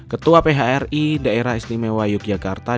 ketua phri daerah istimewa yogyakarta